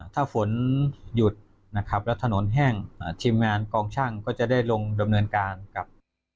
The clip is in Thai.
ถ้าฝนหยุดนะครับแล้วถนนแห้งทีมงานกองช่างก็จะได้ลงดำเนินการกับ